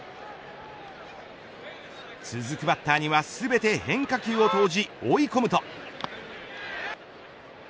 続くバッターには全て変化球を投じ追い込むと。